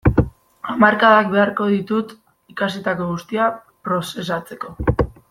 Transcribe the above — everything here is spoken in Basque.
Hamarkadak beharko ditut ikasitako guztia prozesatzeko.